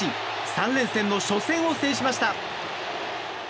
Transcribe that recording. ３連戦の初戦を制しました。